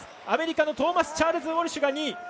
アメリカのトーマスチャールズ・ウォルシュ２位。